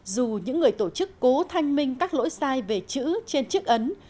dù những người tổ chức cố thanh minh các lỗi sai về chữ trên chiếc ấn